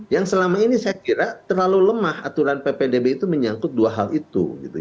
yang selama ini saya kira terlalu lemah aturan ppdb itu menyangkut dua hal itu